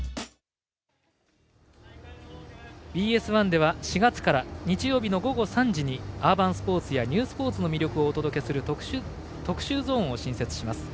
ＢＳ１では４月から日曜日の午後３時にアーバンスポーツやニュースポーツの魅力をお届けする特集ゾーンを新設します。